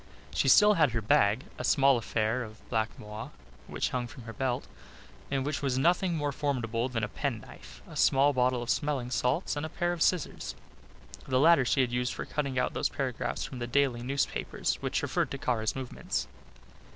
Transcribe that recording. She still had her bag, a small affair of black moire, which hung from her belt, in which was nothing more formidable than a penknife, a small bottle of smelling salts and a pair of scissors. The latter she had used for cutting out those paragraphs from the daily newspapers which referred to Kara's movements.